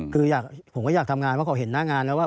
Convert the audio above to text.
คือผมก็อยากทำงานเพราะเขาเห็นหน้างานแล้วว่า